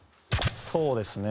そうですね。